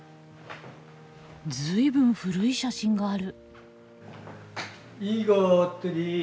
随分古い写真がある。